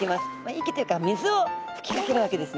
息っていうか水を吹きかけるわけですね。